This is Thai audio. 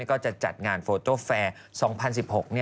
ก็จะจัดงานโฟโต้แฟร์๒๐๑๖